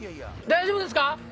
大丈夫ですか？